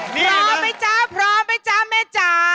พร้อมไหมจ๊ะพร้อมไหมจ๊ะแม่จ๋า